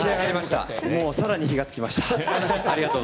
さらに火がつきました。